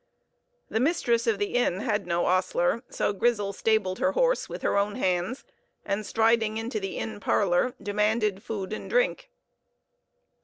The mistress of the inn had no ostler, so Grizel stabled her horse with her own hands, and striding into the inn parlor, demanded food and drink.